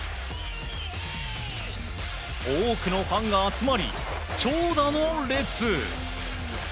多くのファンが集まり、長蛇の列。